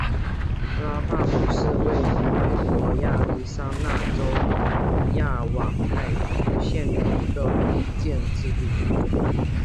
拉帕姆是位于美国亚利桑那州亚瓦派县的一个非建制地区。